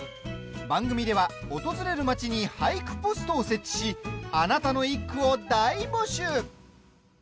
番組では訪れる町に俳句ポストを設置し「あなたの一句」を大募集。